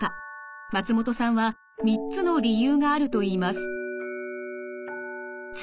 松本さんは３つの理由があると言います。です。